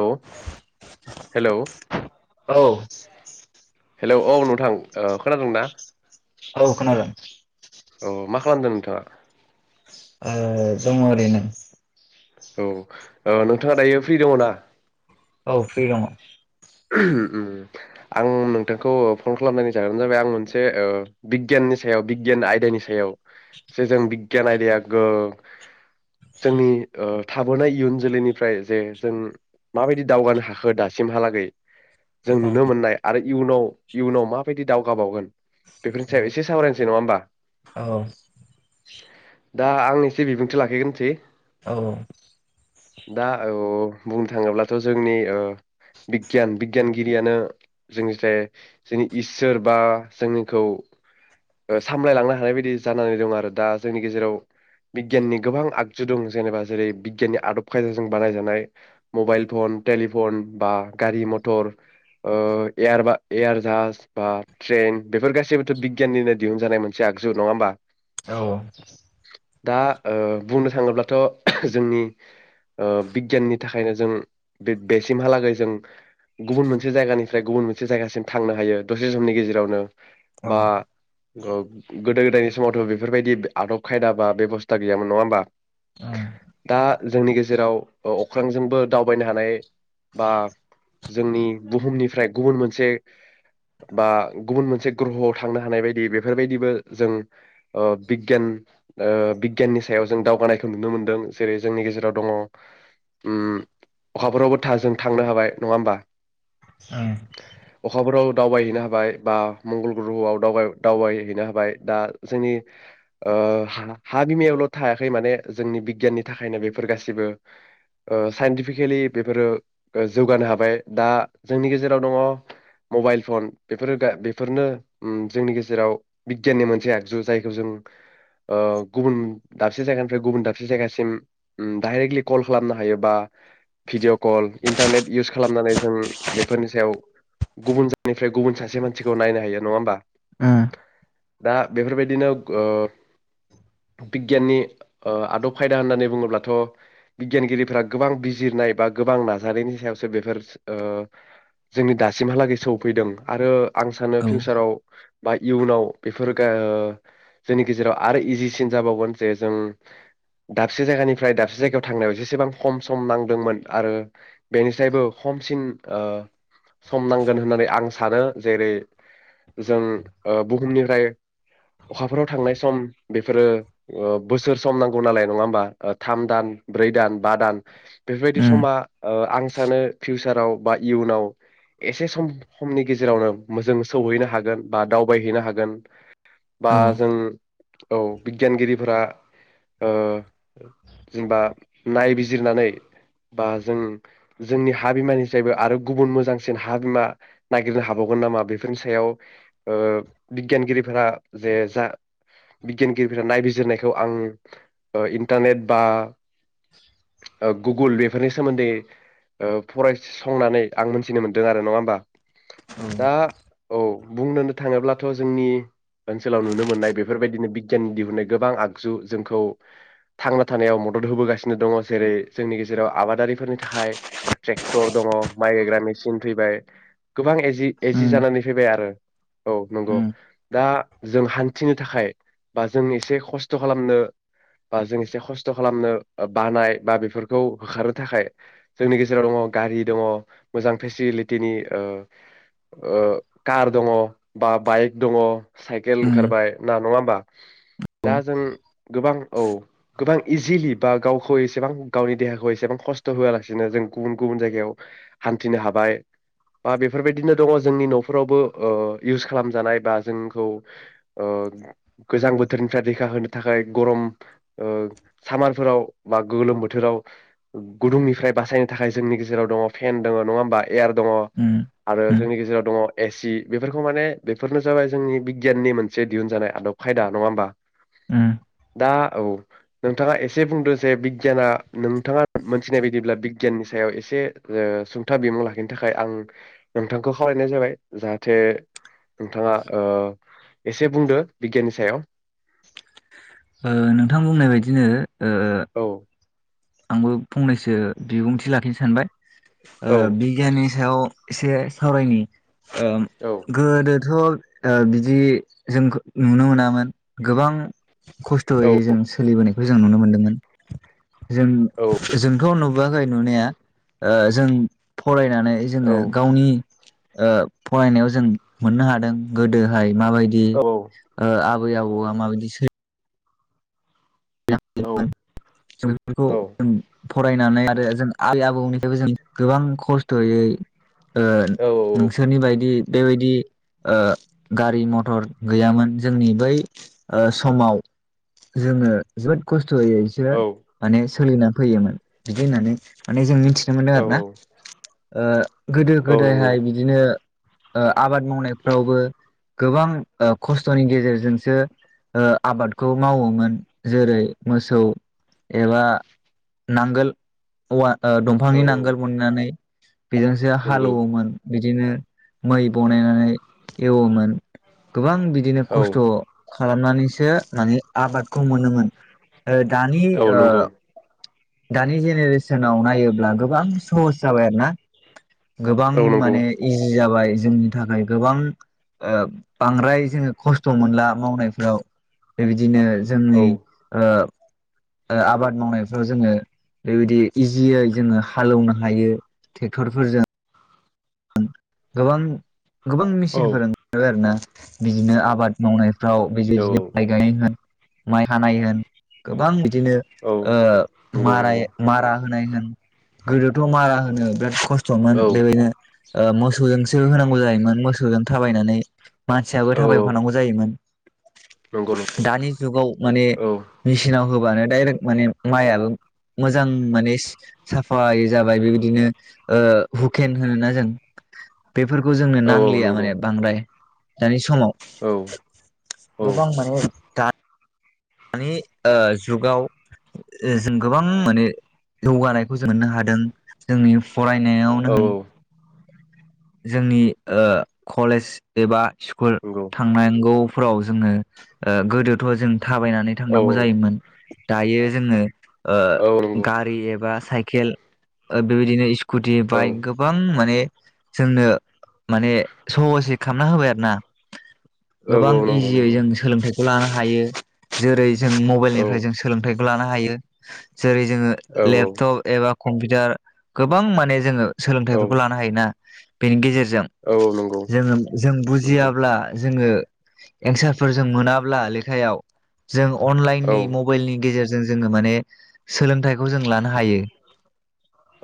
औ हेलौ औ [inaudible] हेलौ औ नोंथां ओ खोनादों ना। औ खनादों औ मा खालामदों नोंथाङा? ओ दङ ओरैनो। औ ओ नोंथाङा दायो फ्रि दङ ना? औ फ्रि दङ। उम आं नोंथांखौ फ'न खालामनायनि जाहोना जाबाय आं मोनसे ओ बिगियाननि सायाव बिगियान आयदानि सायाव जे जों बिगियान आयदाया जोंनि ओ थाबोनाय इयुन जोलैनिफ्राय जे जों माबायदि दावगानो हाखो दासिमहालागै। जों औ नुनो मोननाय आरो इयुनाव इयुनाव माबायदि दावगाबावगोन बेफोरनि सायाव एसे सावरायनोसै नङा होमबा? दा आं एसे बिबुंथि लाखिगोनसै औ दा औ बुंनो थाङोब्लाथ' जोंनि ओ बिगियान बिगियानगिरियानो जोंनि जे जोंनि इसोर बा जोंखौ ओ सामलायलांनो हानाय बायदि जानानै दं आरो दा जोंनि गेजेराव बिगियाननि गोबां आगजु दं जेनेबा जेरै बिगियाननि आदब खायदाजों बानायजानाय मबाइल फन टेलिफन बा गारि मथर ओ एयार बा एयार जास बा ट्रेन बेफोर गासैबोथ' बिगियाननिनो दिहुनजानाय मोनसे आगजु नङा होमबा? औ दा ओ बुंनो थाङोब्लाथ' जोंनि ओ बिगियाननि थाखायनो जों बे बेसिमहालागै जों गुबुन मोनसे जायगानिफ्राय गुबुन मोनसे जायगासिम थांनो हायो दसे समनि गेजेरावनो। औ बा ग गोदो गोदायनि समावथ' बेफोरबायदि आदब खायदा बा बेबस्था गैामोन नङा होमबा उम दा जोंनि गेजेराव अख्रांजोंबो दावबायनो हानाय बा जोंनि बुहुमनिफ्राय गुबुन मोनसे बा गुबुन मोनसे ग्रहआव थांनो हानाय बायदि बेफोरबायदिबो जों ओ बिगियान ओ बिगियाननि सायाव जों दावगानायखौ नुनो मोनदों जेरै जोंनि गेजेराव दङ उम अखाफोरावबो था जों थांनो हाबाय नङा होमबा ओं अखाफोराव दावबायहैनो हाबाय बा मंगल ग्रह'आव दावबाय दावबायहैनो हाबाय दा जोंनि ओ हा हा बिमायावल' थायाखै माने जोंनि बिगियाननि थाखायनो बेफोर गासिबो ओ साइन्टिफिकेलि बेफोरो गाज जौगानो हाबाय दा जोंनि गेजेराव दङ मबाइल फन बेफोरो दा बेफोरनो उम जोंनि गेजेराव बिगियाननि मोनसे आगजु जायखौ जों ओ गुबुन दाबसे जायगानिफ्राय गुबुन दाबसे जायगासिम उम दडाइरेक्टलि कल खालामनो हायोबा भिडिअ कल इन्टारनेट इउस खालामनानै जों बेफोरनि सायाव गुबुन जनिफ्राय गुबुन सासे मानसिखौ नायनो हायो नङा होमबा ओं। दा बेफोरबायदिनो बिगियाननि आदब खायदा होननानै बुङोब्लाथ बिगियानगिरिफोरा गोबां बिजिरनाय बा गोबां नाजानायनि सायाव। जोंनि दासिमहालागै सफैदों आरो आं उम सानो फिउचाराव बा इयुनाव बेफोर जोंनि गेजेराव आरो इजिसिन जाबावगोन जे जों दाबसे जायगानिफ्राय दाबसे जायगायाव थांनायाव जेसेबां खम सम नांदोंमोन आरो बेनि। जायबाबो खमसिन सम नांगोन होननानै आं सानो जेरै जों बुहुमनिफ्राय अखाफोराव थांनाय सम बेफोरो बोसोर सम नांगौ नालाय नङा होमबा थाम दान ब्रै दान बा दान। उम बेफोरबायदि समा आं। फिउचाराव बा इयुनाव एसे सम समनि गेजेरावनो मोजां सौहैनो हागोन बा दावबायहैनो हागोन औ बा जों औ बिगियानगिरिफोरा जेनेबा नायबिजिरनानै बा जों। जोंनि हा बिमानिफ्रायबो आरो गुबुन मोजांसिन हा बिमा नागिरनो हाबावगोन नामा बेफोरनि सायाव बिगियानगिरिफोरा जे जा बिगियानगिरिफोरा नायबिजिरनायखौ आं इन्टारनेट बा गुगोल बेफोरनि सोमोन्दै। फरायसंनानै आं मोन्थिनो मोन्दों आरो नङा होमबा। उम औ दा औ। बुंनोनो थाङोब्लाथ जोंनि ओनसोलाव नुनो मोननाय बेफोरबायदिनो बिगियाननि दिहुननाय गोबां आगजु जोंखौ थांना थानायाव। मदद होबोगासिनो दङ जेरै जोंनि। जेराव आबादारिफोरनि थाखाय। ट्रेक्टर दङ माइ गायग्रा मेसिन फैबाय। गोबां इजि इजि उम जानानै फैबाय आरो। औ नंगौ उम दा। जों हान्थिनो थाखाय बा जों एसे खस्थ खालामनो बा जों एसे खस्थ खालामनो बानाय बा बेफोरखौ होखारनो थाखाय जोंनि गेजेराव। जे जेराव दङ गारि दङ मोजां फेसिलिटिनि कार दङ बा बाइक दङ। साइकेल ओंखारबाय ना नङा होमबा। दा जों गोबां औ गोबां इजिलि बा गावखौ एसेबां गावनि देहाखौ एसेबां खस्थ होआलासिनो जों। गुबुन गुबुन जायगायाव हान्थिनो हाबाय। बा बेफोरबायदिनो। दङ जोंनि नफोरावबो इउस खालाम जानाय बा जोंखौ गोजां बोथोरनिफ्राय रैखा होनो थाखाय गरम सामारफोराव बा गोलोम बोथोराव गुदुंनिफ्राय बासायनो। बासायनो थाखाय जोंनि गेजेराव दङ फेन दङ नङा होमबा। एयार दङ उम औ उम आरो उम जोंनि गेजेराव दङ। एसि बेफोरखौ माने बेफोरनो जाबाय जोंनि बिगियाननि मोनसे दिहुनजानाय आदब खायदा, नङा होमबा? उम दा औ नोंथाङा एसे बुंदों जे बिगियाना नोंथाङा मोनथिनाय बायदिब्ला बिगियाननि सायाव एसे सुंथाब बिमुं लाखिनो थाखाय आं नोंथांखौ खावलायनाय जाबाय जाहाथे नोंथाङा एसे बुंदो बिगियाननि सायाव। नोंथां बुंनाय बायदिनो ओ औ, आंबो फंनैसो बिबुंथि लाखिनो सानबाय। ओ बिगियाननि सायाव। एसे सावरायनि। ओ औ गोदो थ बिदि जों नुनो मोनामोन गोबां खस्थयै औ जों सोलिबोनाय। सोलिबोनायखौ जों नुनो मोनदोंमोन। जों औ जोंथ' नुब नुवाखै नुनाया ओ जों फरायन नानै जोङो औ गावनि ओ फरायनायाव जों मोननो हादों गोदोहाय माबायदि औ ओ आब आबै आबौआ माबायदि सो [unintelligible] औ जों बेफोरखौ जों फरायनानै आरो जों आबै आबौनिफ्रायबो जों गोबां खस्थ'यै ओ औ नोंसोरनि बायदि बेबायदि ओ गारि मथर गैयामोन जोंनि बै ओ समाव जोङो जोबोद खस्ट हैसो माने सोलिना फैयोमोन बिदि होननानै माने जों मिथि मोनो औ आरोना ओ गोदो औ नंगौ गोदायहाय बिदिनो ओ आबाद मावनायफ्रावबो गोबां ओ खस्थ'नि गेजेरजोंसो ओ आबादखौ मावोमोन। जेरै मोसौ एबा नांगोल औवा ओ औ दंफांनि नांगोल मोननानै [unintelligible] बेजोंसो नंगौ हालोवोमोन। बिदिनो मै बनायनानै एवोमोन । गोबां बिदिनो औ खस्थ' खालामनानैसो माने आबाद खौ मोनोमोन। ओ दानि औ ओ नंगौ दानि जेनेरेसनाव नायोब्ला गोबां सहस जाबाय आरो ना । गोबां औ नंगौ माने इजि जाबाय जोंनि थाखाय गोबां ओ बांद्राय जोङो खस्थ' मोनला मावनायफोराव बेबायदिनो औ जोंनि ओ ओ आबाद मावनायफ्राव जोङो बेबायदि इजियै जोङो हालेवनो हायो ट्रेक्टरफोरजों गोबां गोबां औ मेचिनफोर ओंखारबाय आरोना। बिदिनो आबाद मावनाय फ्राव बेबादि माइ औ गाय होन माइ हानाय होन गोबां बि दिनो औ ओ नंगौ नंगौ माराय मारा होनाय होन गोदोथ' मारा होनो बिराद खस्थ'मोन औ बेबायनो ओ मोस सौजोंसो होनांगौ जायोमोन मोसौजों थाबायनानै मानसियाबो औ थाबायफानांगौ जायोमोन। नंगौ नंगौ दानि जुगाव माने औ मेचिनाव होब बानो दाइरेक्ट माने माइयाबो मोजां माने सि साफायै जाबाय बेबायदिनो ओ हुकेन होनोना जों बेफोरखौ जोंनो औ औ नांलिया नंगौ माने बांद्राय। दानि स माव औ औ गोबां माने गा दानि ओ जुगाव जों गोबां माने जौगानायखौ जों मोननो हादों जोंनि औ फरायनायावनो होन जोंनि ओ कलेज एबा स्कुल नंगौ थांनांगौ फोराव जोङो ओ गोदोथ' जों थाबायनानै औ थांनांगौ जायोमोन। दायो जोङो ओ औ नंगौ गारि एबा साइकेल ओ बेबायदिनो इस स्कुटि औ बाइक गोबां माने जोंनो माने सहसै खालामना होबाय आरो ना औ गोबां औ नंगौ इजियै नंगौ जों सोलोंथाइ [unintelligible] जों औ मबाइलनिफ्राय जों सोलोंथाइ लानो हायो जेरै जोङो औ लेपटप एबा कम्पिउटार गोबां माने जोङो औ सोलोंथाइफोरखौ लानो हायोना। बेनि गेजेर जों औ नंगौ जोङो जों नंगौ बुजियाब्ला जोङो एन्सारफोर जों मोनाब्ला लेखायाव जों औ अनलाइननि मबाइलनि गेजेरजों जों जोङो माने सोलोंथाइखौ जों लानो हायो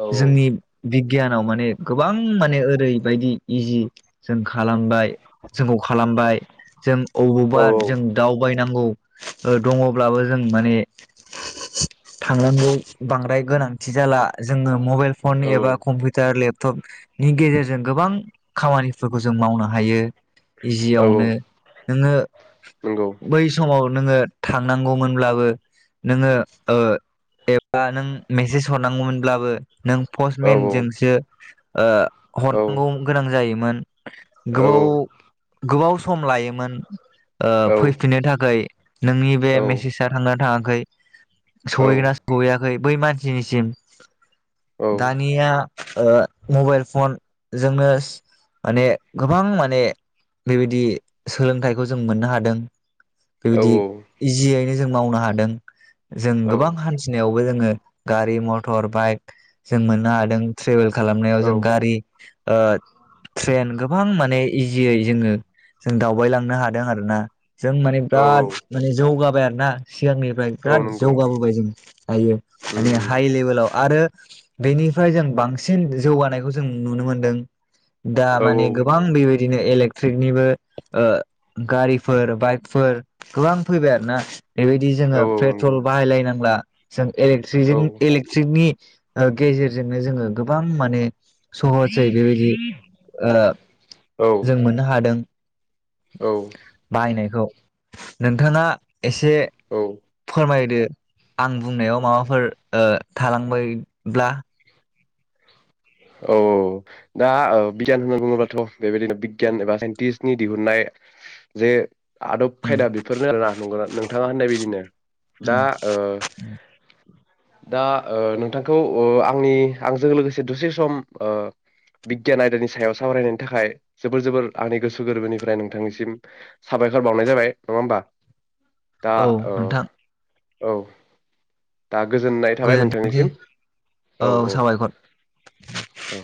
औ औ जोंनि औ नंगौ बि गियानाव माने गोबां माने ओरैबायदि इजि जों खालामबाय जोंखौ खालामबाय जों औ अबावबा औ औ जों दावबाय दब्लाबो जों माने थांनांगौ बांद्राय गोनांथि जाला जों मबाइल फन औ एबा औ कम्पिउटार लेब थब नि गेजेरजों गोबां खामानिफोरखौ जों मावनो हायो इजियावनो नोङो नंगौ बै समाव नोङो थांनांगौमोनब्लाबो नोङो ओ एबा नों मेसेज हरनांगौमोनब्लाबो नों पस्टमेनजोंसो ओ [unintelligible] गोबाव गोबाव सम लायोमोन। ओ फैफिननो थाखाय नोंनि बे मेसेजआ थांनो थाङा ओमफ्राय सौहैगोन ना सौहैआ खै बै मानसिनिसिम दानिया ओ मबाइल फन जोंनो माने गोबां माने बेबायदि सोलोंथाइखौ जों मोननो हादों। बेबायदि इजियैनो जों मावनो हादों। जों गोबां हान्थिनायावबो जोङो गारि मथर बाइक जों मोननो हादों । ट्रेभेल खालामनायाव जों गारि ओ ट्रेन गोबां माने इजियै जोङो जों दावबायलांनो हादों आरोना। जों माने बिराद माने जौगा आरो ना। सिगांनिफ्राय बिराद जौगाबोबाय जों। हायो उम माने हाइ लेभेलाव आरो‌। बेनिफ्राय जों बांसिन जौगानायखौ‌। जों नुनो मोनदों। दा औ माने गोबां बेबायदि। दिनो इलेक्ट्रिकनिबो ओ गारिफोर बाइकफोर गोबां फैबाय आरो ना। बेबायदि जोङो औ नंगौ पेट्रल बाहायलायनांला। [inaudible] औ इलेक्ट्रिजों इलेक्ट्रिकनि। ओ गेजेरजोंनो जोङो गोबां माने। सहजै बेबायदि ओ जों मोननो हादों। औ बाहायनायखौ। नोंथाङा। एसे औ फोरमायदो। आं बुंनायाव माबाफोर ओ। थालांबायब्ला। औ दा बिगियान होनना बुङोब्लाथ' बेबायदिनो बिगियान एबा साइन्टिस्टनि दिहुननाय जे। आदब उम खायदा बेफोरनो आरोना नंगौना नोंथाङा होननाय बदिनो दा उम ओ। दा ओ नोंथांखौ ओ आंनि आंजों लोगोसे दसे सम ओ बिगियान आयदानि सायाव सावरायनायनि थाखाय जोबोर जोबोर आंनि गोसो गोरबोनिफ्राय नोंथांनिसिम साबायखर बावनाय जाबाय नङा होमबा। दा औ औ आ गोजोननाय थाबाय गोजोनथोंसै नोंथांनिसिम औ औ औ